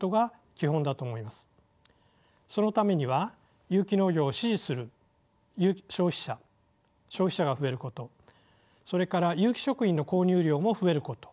そのためには有機農業を支持する消費者が増えることそれから有機食品の購入量も増えること。